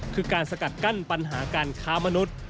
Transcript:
คือการสกัดกั้นปัญหาการค้ามนุษย์